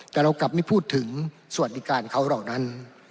แต่เรากลับไม่พูดถึงสวัสดิการเขาเหล่านั้น